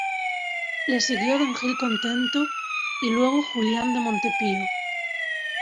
Le siguió Don Gil Contento, y luego Julián de Monte Pío.